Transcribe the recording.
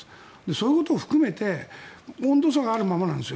そういうことを含めて温度差があるままなんです。